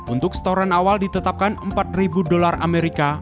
untuk setoran awal ditetapkan empat dolar amerika